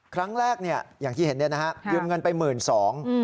ครั้งแรกอย่างที่เห็นยืมเงินไปหมื่นสอง